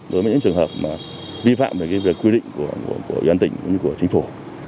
đối với những trường hợp vi phạm về quy định của ubnd tỉnh như của chính phủ